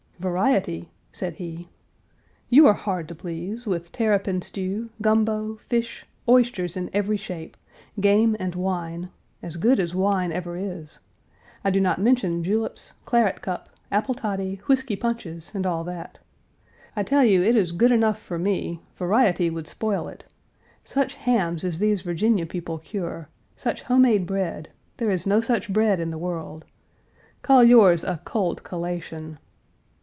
"Variety?" said he. "You are hard to please, with terrapin stew, gumbo, fish, oysters in every shape, game, and wine as good as wine ever is. I do not mention juleps, claret cup, apple toddy, whisky punches and all that. I tell you it is good enough for me. Variety would spoil it. Such hams as these Virginia people cure; such home made bread there is no such bread in the world. Call yours a 'cold collation.'